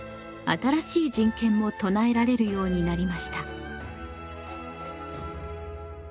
新しい人権も唱えられるようになりました。